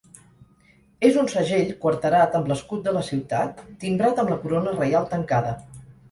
És un segell quarterat amb l'escut de la ciutat timbrat amb la corona reial tancada.